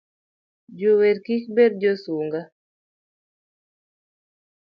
Jower kik bed josunga